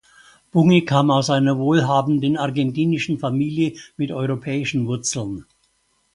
Bunge kam aus einer wohlhabenden argentinischen Familie mit europäischen Wurzeln.